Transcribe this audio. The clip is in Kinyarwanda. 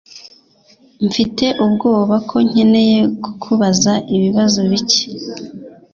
Mfite ubwoba ko nkeneye kukubaza ibibazo bike.